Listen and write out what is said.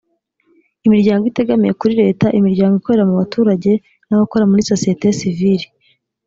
imiryango itegamiye kuri leta imiryango ikorera mu baturage n abakora muri sosiyete sivili